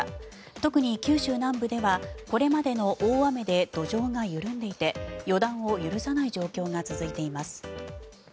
特に九州南部ではこれまでの大雨で土壌が緩んでいて予断を許さない状況が続いています。